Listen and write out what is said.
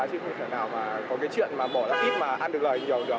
chứ không thể nào mà có cái chuyện mà bỏ ra ít mà ăn được lời nhiều được